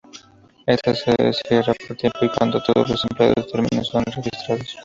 Está se cierra por tiempo y cuando todos los empleados terminan son registrados.